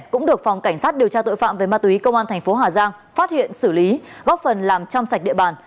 cũng được phòng cảnh sát điều tra tội phạm về ma túy công an thành phố hà giang phát hiện xử lý góp phần làm trong sạch địa bàn